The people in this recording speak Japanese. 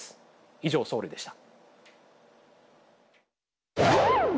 以上、ソウルでした。